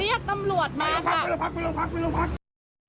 เรียกตำรวจมาค่ะ